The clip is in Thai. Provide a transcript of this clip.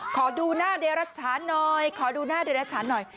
ขอดูหน้าเดรัชชาหน่อยขอดูหน้าเดรัชชาหน่อย